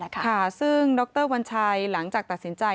ค่ะซึ่งดรวัญชัยหลังจากตัดสินใจ